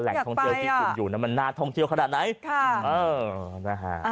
มันนานทองเจียวขนาดไหน